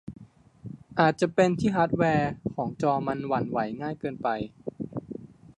อาจจะเป็นที่ฮาร์ดแวร์ของจอมันหวั่นไหวง่ายเกินไป